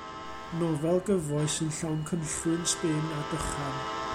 Nofel gyfoes sy'n llawn cynllwyn, sbin a dychan.